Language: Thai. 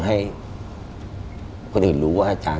ให้คนอื่นรู้ว่าอาจารย์